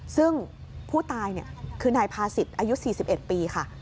ซึ่งผู้ตายคือนายพาศิษย์อายุ๔๑ปีค่ะ